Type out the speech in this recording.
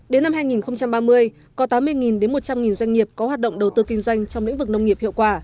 đến năm hai nghìn ba mươi có tám mươi đến một trăm linh doanh nghiệp có hoạt động đầu tư kinh doanh trong lĩnh vực nông nghiệp hiệu quả